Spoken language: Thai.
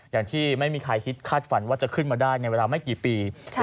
อย่างที่ไม่มีใครคิดคาดฝันว่าจะขึ้นมาได้ในเวลาไม่กี่ปี